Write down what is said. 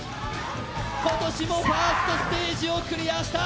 今年もファーストステージをクリアした！